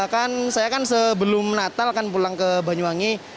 kan saya kan sebelum natal kan pulang ke banyuwangi